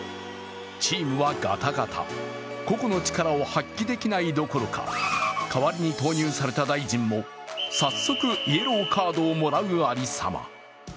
チームはガタガタ、個々の力を発揮できないところか、代わりに投入された大臣も早速イエローカードをもらうありさま。